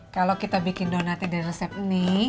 kalau kita bikin donatnya dari resep ini